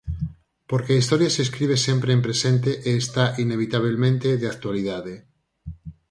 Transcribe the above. Porque a historia se escribe sempre en presente e está inevitabelmente de actualidade.